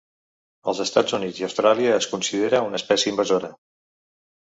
Als Estats Units i Austràlia es considera una espècie invasora.